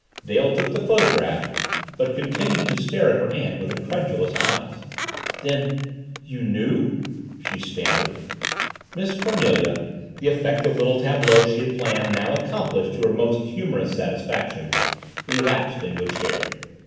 Dale took the photograph but continued to stare at her aunt with incredulous eyes. "Then you knew?" she stammered. Miss Cornelia, the effective little tableau she had planned now accomplished to her most humorous satisfaction, relapsed into a chair.